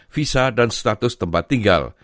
visa dan status tempat tinggal